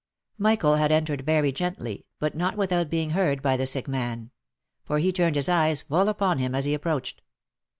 Michael had entered very gently, but not without being heard by the sick man; for he turned his eyes full upon him as he approached.